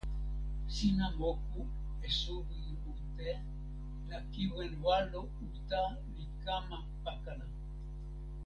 sina moku e suwi mute la kiwen walo uta li kama pakala.